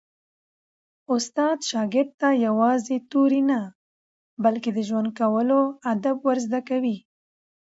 استاد شاګرد ته یوازې توري نه، بلکي د ژوند کولو آداب ور زده کوي.